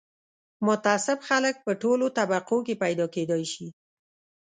متعصب خلک په ټولو طبقو کې پیدا کېدای شي